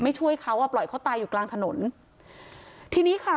ช่วยเขาอ่ะปล่อยเขาตายอยู่กลางถนนทีนี้ค่ะ